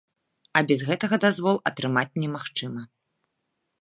А без гэтага дазвол атрымаць немагчыма.